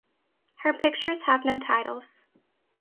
Her pictures have no titles.